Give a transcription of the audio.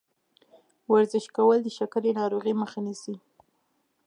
ورزش کول د شکرې ناروغۍ مخه نیسي.